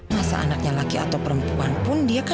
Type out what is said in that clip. masa anaknya laki atau perempuan pun dia kan